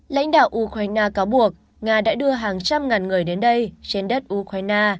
lãnh đạo ukraine cáo buộc nga đã đưa hàng trăm ngàn người đến đây trên đất ukraine